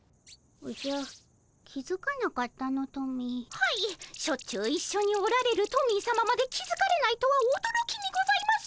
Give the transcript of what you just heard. はいしょっちゅう一緒におられるトミーさままで気付かれないとはおどろきにございます！